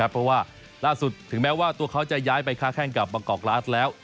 เพราะว่าล่าสุดถึงแม้ว่าตัวเขาจะย้ายไปค้าแข้งกับบางกอกกลาสแล้ว